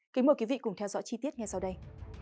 kính mời quý vị cùng theo dõi chi tiết ngay sau đây